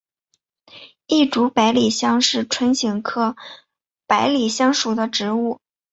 异株百里香是唇形科百里香属的植物。